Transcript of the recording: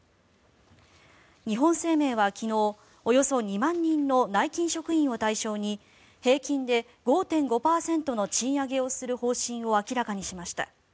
日本生命は昨日、およそ２万人の内勤職員を対象に平均で５．５％の賃上げをする方針を明らかにしました。